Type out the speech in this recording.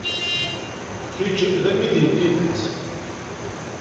Kečč d amidi n tidet.